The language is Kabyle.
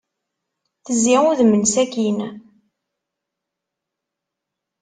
Tezzi udem-nnes akkin.